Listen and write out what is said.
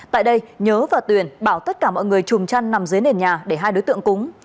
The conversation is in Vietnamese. tại đây nhớ và tuyền bảo tất cả mọi người trùm chăn nằm dưới nền nhà để hai đối tượng cúng